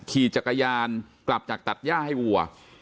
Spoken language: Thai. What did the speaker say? ขี่จักรยานกลับจากตัดย่าให้วัว